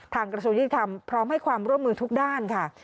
กระทรวงยุติธรรมพร้อมให้ความร่วมมือทุกด้านค่ะ